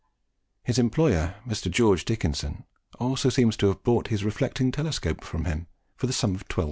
His employer, Mr. George Dickinson, also seems to have bought his reflecting telescope from him for the sum of 12L.